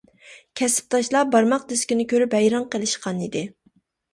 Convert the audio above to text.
كەسىپداشلار بارماق دىسكىنى كۆرۈپ ھەيران قېلىشقان ئىدى.